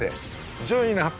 順位の発表